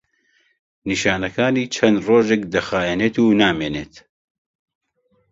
نیشانەکانی چەند ڕۆژێک دەخایەنێت و نامێنێت.